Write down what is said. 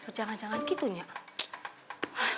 ya jangan jangan gitu nyok